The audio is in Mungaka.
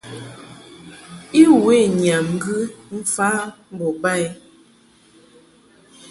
I we nyam ŋgɨ mfa mbo ba i.